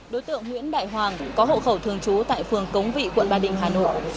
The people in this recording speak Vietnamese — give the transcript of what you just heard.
đối tượng nguyễn đại hoàng có hộ khẩu thường trú tại phường cống vị quận ba đình hà nội